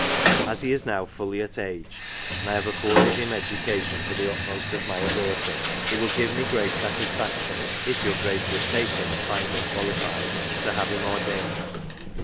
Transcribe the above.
As he is now fully at age, and I have afforded him education to the utmost of my ability, it would give me great satisfaction (if your Grace would take him, and find him qualified) to have him ordained.